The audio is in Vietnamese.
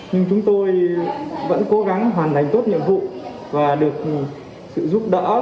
nhưng chúng tôi vẫn cố gắng hoàn thành tốt nhiệm vụ và được sự giúp đỡ